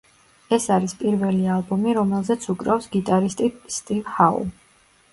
ეს არის პირველ ალბომი, რომელზეც უკრავს გიტარისტი სტივ ჰაუ.